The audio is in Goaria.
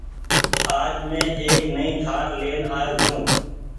آج مين ايڪ نئي کآٽ لين آئو ڇون۔